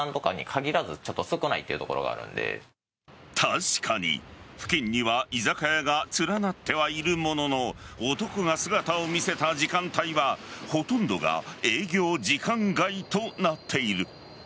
確かに、付近には居酒屋が連なってはいるものの男が姿を見せた時間帯はほとんどが営業時間外となっている。